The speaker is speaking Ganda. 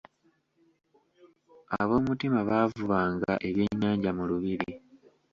Aboomutima baavubanga ebyennyanja mu lubiri.